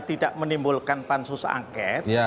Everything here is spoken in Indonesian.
tidak menimbulkan pansus angket